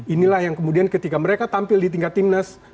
inilah yang kemudian ketika mereka tampil di tingkat timnas